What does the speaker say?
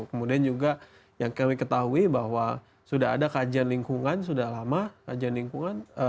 kemudian juga yang kami ketahui bahwa sudah ada kajian lingkungan sudah lama kajian lingkungan